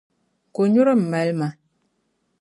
Konyuri m-mali ma.